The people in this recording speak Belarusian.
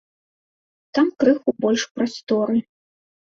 Там крыху больш прасторы.